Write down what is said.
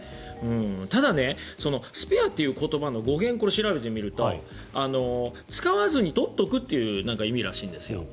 ただ、スペアという言葉の語源を調べてみると使わずにとっとくという意味らしいんですよ。